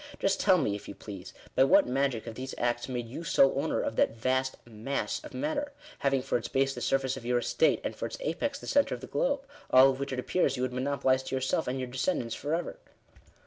Just tell me, if you please, by what magic have these acts made you sole owner of that vast mass of matter, having for its base the surface of your estate, and for its apex the oentre of the globe ? all of which it appears you would monopolise to yourself and your descendants for ever.